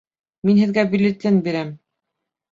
Мин һеҙгә бюллетень бирәм